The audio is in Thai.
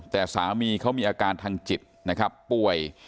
แต่สามีเขามีอาการทางจิตนะครับป่วย